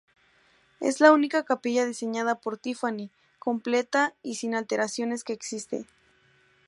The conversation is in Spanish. Es la única capilla diseñada por Tiffany completa y sin alteraciones que existe.